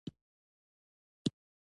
که ګاونډي ته زیان ورسېږي، ته یې مرسته وکړه